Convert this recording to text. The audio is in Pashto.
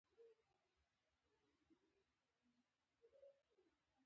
په مصر کې هم ورته وضعیت و.